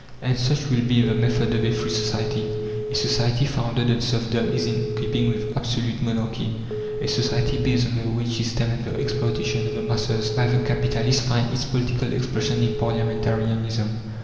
And such will be the method of a free society. A society founded on serfdom is in keeping with absolute monarchy; a society based on the wage system and the exploitation of the masses by the capitalists finds its political expression in parliamentarianism.